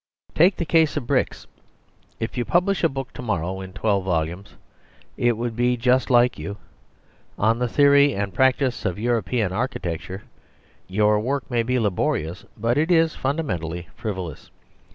..... Take the case of bricks. If you publish a book to morrow in twelve volumes (it would be just like you) on "The Theory and Practice of European Architecture," your work may be laborious, but it is fundamentally frivolous.